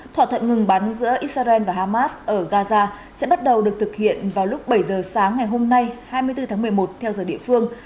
thỏa thuận ngừng bắn giữa israel và hamas ở gaza sẽ bắt đầu được thực hiện vào lúc bảy giờ sáng ngày hôm nay hai mươi bốn tháng một mươi một theo giờ địa phương